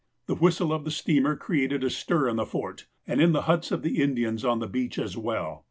The whistle of the steamer created a stir in the Fort, and in the huts of the Indians on the beach as well.